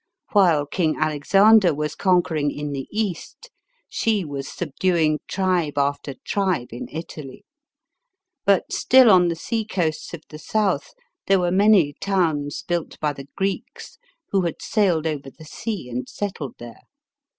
While King Alexander was conquering in the East, she was subduing tribe after tribe in Italy. But still on the sea coasts of the south, there were many towns built by the Greeks, who had sailed over the sea and settled there.